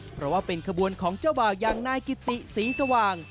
เพราะว่าเป็นขบวนของเจ้าบ่าวอย่างนายกิติศรีสว่าง